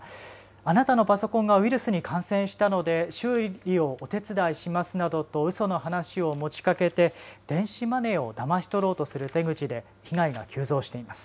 あなたのパソコンがウイルスに感染したので修理をお手伝いしますなどとうその話を持ちかけて電子マネーをだまし取ろうとする手口で被害が急増しています。